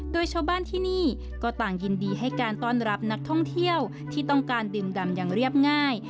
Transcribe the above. โดยชาวบ้านที่นี่ก็ต่างยินดีให้การต้อนรับนักท่องเที่ยวที่ต้องการดื่มดำอย่างเรียบง่าย